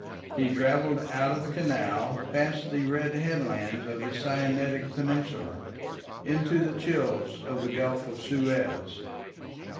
He travelled out of the canal, past the red headlands of the Sinaitic Peninsula, into the chills of the Gulf of Suez.